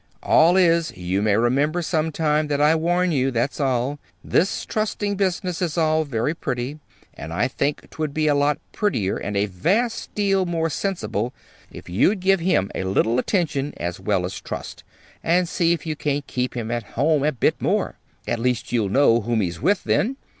"All is, you may remember sometime that I warned you that's all. This trusting business is all very pretty; but I think 'twould be a lot prettier, and a vast deal more sensible, if you'd give him a little attention as well as trust, and see if you can't keep him at home a bit more. At least you'll know whom he's with, then.